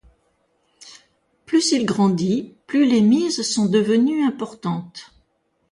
Plus il grandit, plus les mises sont devenues importantes.